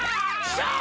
さあ！